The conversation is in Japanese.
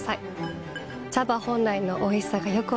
茶葉本来のおいしさがよく分かります。